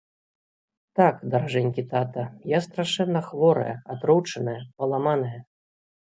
Так, даражэнькі тата, я страшэнна хворая, атручаная, паламаная.